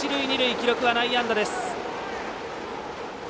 記録は内野安打です。